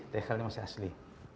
rehab ini masih asli